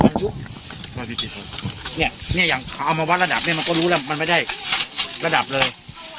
อายุเนี่ยเนี่ยอย่างเขาเอามาวัดระดับเนี้ยมันก็รู้แล้วมันไม่ได้ระดับเลย